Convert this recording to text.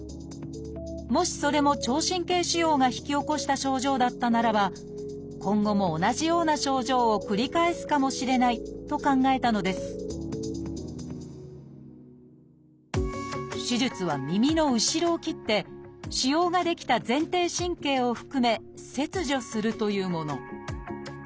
もしそれも聴神経腫瘍が引き起こした症状だったならば今後も同じような症状を繰り返すかもしれないと考えたのです手術は耳の後ろを切って腫瘍が出来た前庭神経を含め切除するというもの。